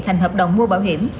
thành hợp đồng mua bảo hiểm